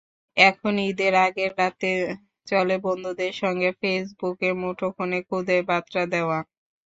এখন ঈদের আগের রাতে চলে বন্ধুদের সঙ্গে ফেসবুকে, মুঠোফোনে খুদে বার্তা দেওয়া।